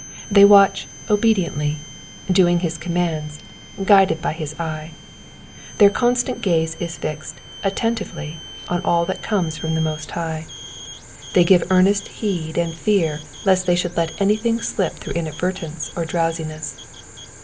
They watch, obediently^ doing his commandments, guided by his eye. Their constant gaze is fixed attentively on all that comes from the Most High ; they give earnest heed, and fear lest they should let anything slip through inadvertence or drowsi* ness.